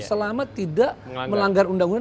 selama tidak melanggar undang undang